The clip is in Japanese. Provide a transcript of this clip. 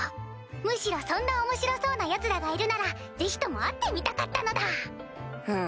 むしろそんな面白そうなヤツらがいるならぜひとも会ってみたかったのだ！